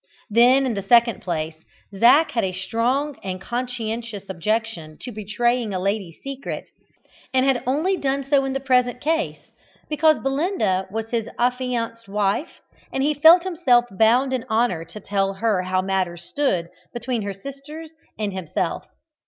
Then, in the second place, Zac had a strong and conscientious objection to betraying a lady's secret, and had only done so in the present case because Belinda was his affianced wife, and he felt himself bound in honour to tell her how matters stood between her sisters and himself.